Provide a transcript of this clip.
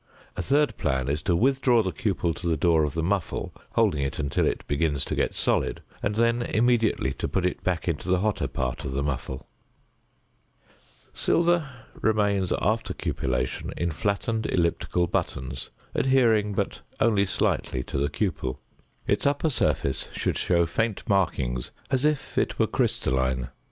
A third plan is to withdraw the cupel to the door of the muffle, holding it until it begins to get solid and then immediately to put it back into the hotter part of the muffle. Silver remains after cupellation in flattened elliptical buttons, adhering but only slightly to the cupel. Its upper surface should show faint markings as if it were crystalline.